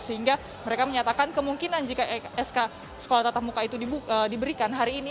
sehingga mereka menyatakan kemungkinan jika sk sekolah tatap muka itu diberikan hari ini